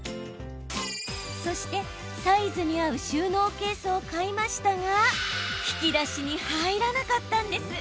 そして、サイズに合う収納ケースを買いましたが引き出しに入らなかったんです。